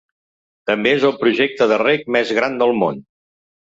També és el projecte de reg més gran del món.